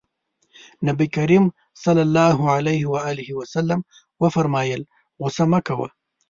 نبي کريم ص وفرمايل غوسه مه کوه.